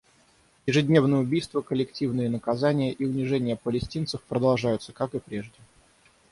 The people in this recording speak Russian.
Ежедневные убийства, коллективные наказания и унижение палестинцев продолжаются, как и прежде.